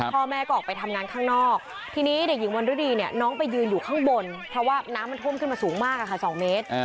พ่อแม่ก็ออกไปทำงานข้างนอกทีนี้เด็กหญิงวันฤดีเนี่ยน้องไปยืนอยู่ข้างบนเพราะว่าน้ำมันท่วมขึ้นมาสูงมากค่ะ๒เมตร